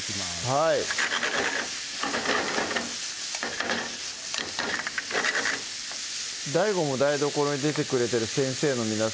はいＤＡＩＧＯも台所に出てくれてる先生